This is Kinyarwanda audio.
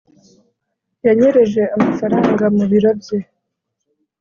yanyereje amafaranga mu biro bye